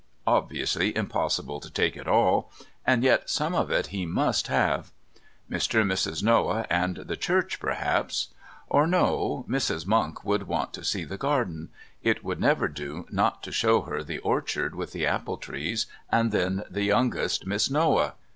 Obviously impossible to take it all and yet some of it he must have. Mr. and Mrs. Noah and the church, perhaps or no, Mrs. Monk would want to see the garden it would never do not to show her the orchard with the apple trees, and then the youngest Miss Noah!